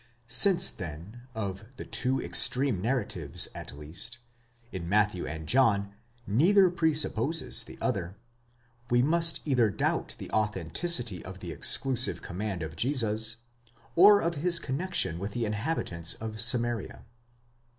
® Since then of the two extreme narratives at least, in Matthew and John, neither presupposes the other, we must either doubt the authenticity of the exclusive command of Jesus, or of his connexion with the inhabitants of Samaria.